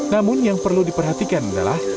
namun yang perlu diperhatikan adalah